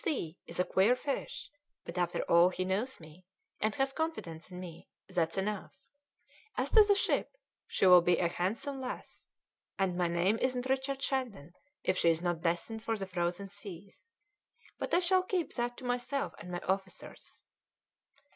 K. Z. is a queer fish, but after all he knows me, and has confidence in me; that's enough. As to the ship, she will be a handsome lass, and my name isn't Richard Shandon if she is not destined for the Frozen Seas. But I shall keep that to myself and my officers."